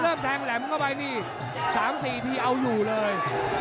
เริ่มแทงแหลมเข้าไป๓๔ทีเอาอยู่เลย